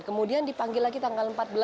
kemudian dipanggil lagi tanggal empat belas